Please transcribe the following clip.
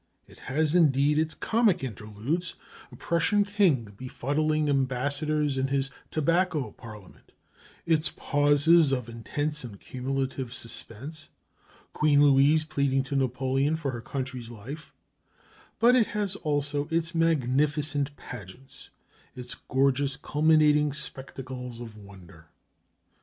It has indeed its comic interludes, a Prussian king befuddling ambassadors in his "Tobacco Parliament"; its pauses of intense and cumulative suspense, Queen Louise pleading to Napoleon for her country's life; but it has also its magnificent pageants, its gorgeous culminating spectacles of wonder.